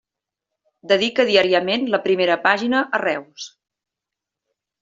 Dedica diàriament la primera pàgina a Reus.